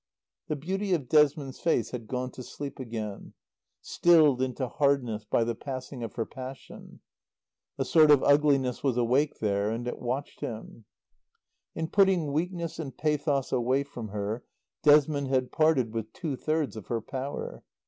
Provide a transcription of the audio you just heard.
The beauty of Desmond's face had gone to sleep again, stilled into hardness by the passing of her passion. A sort of ugliness was awake there, and it watched him. In putting weakness and pathos away from her Desmond had parted with two thirds of her power.